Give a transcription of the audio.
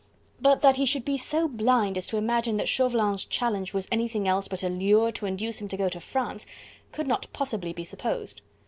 But that he should be so blind as to imagine that Chauvelin's challenge was anything else but a lure to induce him to go to France, could not possibly be supposed.